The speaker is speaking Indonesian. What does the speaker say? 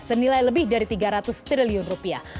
senilai lebih dari tiga ratus triliun rupiah